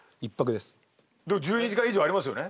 でも１２時間以上ありますよね？